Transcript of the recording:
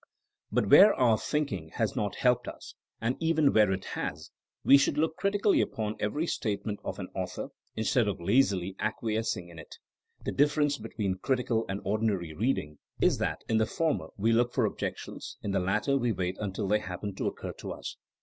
But where our thinking has not helped us, and even where it has, we should look critically upon every statement of an author, instead of lazily acquiescing in it. The difference betw een critical and ordinary reading, is that in the f or TnPT^jyp lonlr f or objections^ in the latte r we wait until they happen to occur to us.